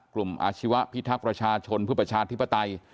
กลุ่มอาชิวะพิทักษ์ประชาชนพฤปชาธิปไต